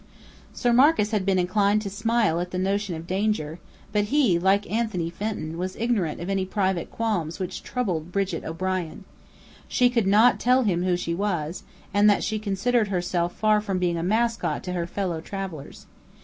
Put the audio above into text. Sir Marcus had been inclined to smile at the notion of danger; but he, like Anthony Fenton, was ignorant of any private qualms which troubled Brigit O'Brien. She could not tell him who she was, and that she considered herself far from being a "mascot" to her fellow travellers.